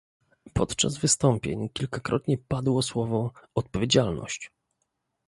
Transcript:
Podczas wystąpień kilkakrotnie padło słowo "odpowiedzialność"